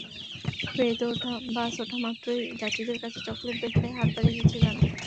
ফেরিতে bus ওঠামাত্রই যাত্রীদের কাছে চকলেট বেচতে হাত বাড়িয়ে দিচ্ছে তারা।